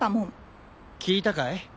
聞いたかい？